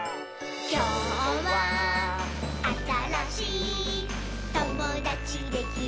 「きょうはあたらしいともだちできるといいね」